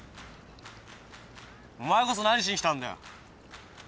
お前こそ何しに来たんだよ。